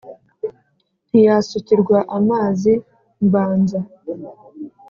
Ntiyasukirwa amazi mbanza